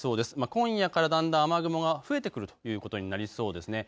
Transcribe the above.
今夜からだんだん雨雲が増えてくるということになりそうですね。